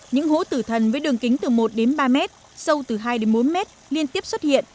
những hố tử thần với đường kính từ một đến ba mét sâu từ hai đến bốn mét liên tiếp xuất hiện